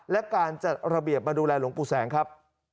และการจัดระเบียบมาดูแลหลวงปู่แสงครับ